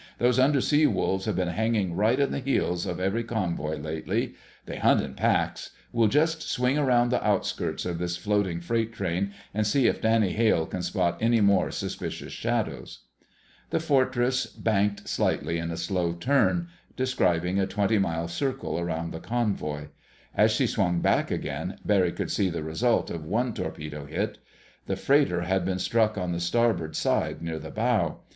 "Those undersea wolves have been hanging right at the heels of every convoy lately. They hunt in packs. We'll just swing around the outskirts of this floating freight train and see if Danny Hale can spot any more suspicious shadows." The Fortress banked slightly in a slow turn, describing a twenty mile circle around the convoy. As she swung back again, Barry could see the result of one torpedo hit. The freighter had been struck on the starboard side near the bow.